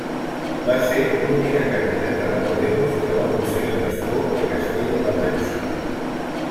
Va ser l'única candidata de Podemos que va aconseguir un escó a Castella-la Manxa.